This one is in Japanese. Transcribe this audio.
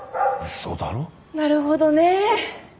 なるほどね。